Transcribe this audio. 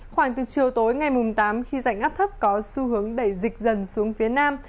khoảng từ chiều tối ngày tám khi rảnh áp thấp có xu hướng đẩy dịch dần xuống phía nam